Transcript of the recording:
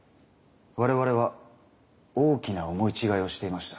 我々は大きな思い違いをしていました。